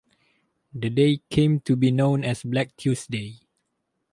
The day came to be known as "Black Tuesday".